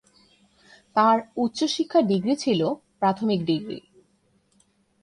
তাঁর উচ্চশিক্ষা ডিগ্রি ছিল প্রাথমিক ডিগ্রি।